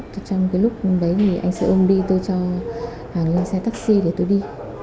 trong cái lúc đấy thì anh sẽ ôm đi tôi cho hàng lên xe taxi để tôi đi